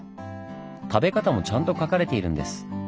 食べ方もちゃんと書かれているんです。